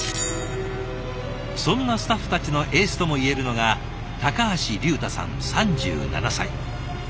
そんなスタッフたちのエースともいえるのが高橋竜太さん３７歳。